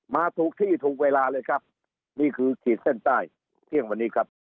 มาถูกที่ถูกเวลาเลยครับนี่คือขีดเส้นใต้เที่ยงวันนี้ครับ